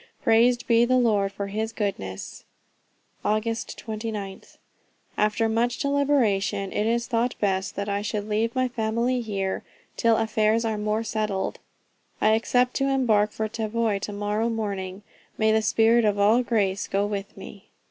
Praised be the Lord for his goodness. "Aug. 29th. After much deliberation, it is thought best that I should leave my family here, till affairs are more settled.... I expect to embark for Tavoy to morrow morning. May the spirit of all grace go with me!"